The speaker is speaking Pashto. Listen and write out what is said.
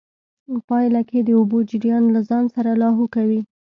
پايله کې د اوبو جريان له ځان سره لاهو کوي.